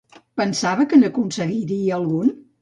Pensava que n'aconseguiria algun?